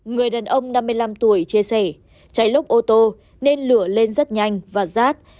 người đàn ông năm mươi năm tuổi chia sẻ cháy lốp ô tô nên lửa lên rất nhanh và rát